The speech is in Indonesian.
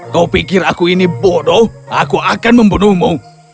kau pikir aku ini bodoh aku akan membunuhmu